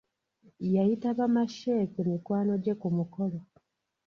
Yayita ba Ma-Sheikh mikwano gye ku mukolo.